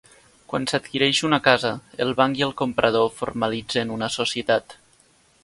Quan s'adquireix una casa el banc i el comprador formalitzen una societat.